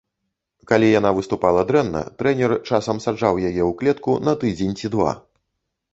Калі яна выступала дрэнна, трэнер часам саджаў яе ў клетку на тыдзень ці два.